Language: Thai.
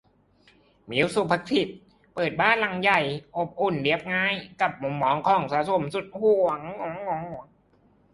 มิว ศุภศิษฏ์ เปิดบ้านหลังใหญ่ อบอุ่น เรียบง่าย กับมุมของสะสมสุดหวง